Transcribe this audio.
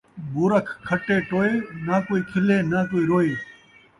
مورکھ کھٹے ٹوئے ، ناں کئی کھِلے ناں کئی روئے